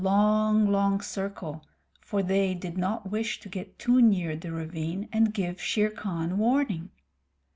It was a long, long circle, for they did not wish to get too near the ravine and give Shere Khan warning.